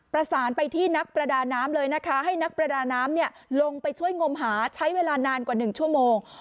ประสานไปที่นักประดาน้ำเลยนะคะให้นักประดาน้ำลงไปช่วยงมหาใช้เวลานานกว่า๑ชั่วโมง